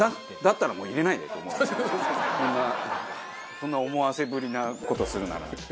そんな思わせぶりな事するなら。